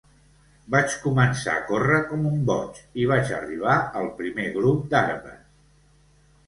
Vaig començar a córrer com un boig i vaig arribar al primer grup d'arbres.